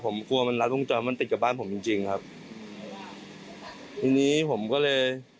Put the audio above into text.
ผมกลัวมันรัดวงจรมันติดกับบ้านผมจริงจริงครับทีนี้ผมก็เลย